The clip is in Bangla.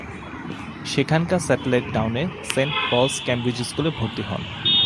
সেখানকার স্যাটেলাইট টাউনের সেন্ট পলস কেমব্রিজ স্কুলে ভর্তি হন।